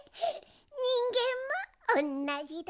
にんげんもおんなじだ。